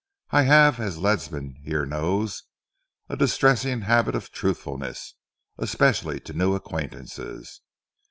I have, as Ledsam here knows, a distressing habit of truthfulness, especially to new acquaintances.